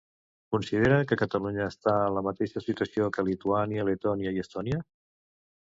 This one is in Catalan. Considera que Catalunya està en la mateixa situació que Lituània, Letònia i Estònia?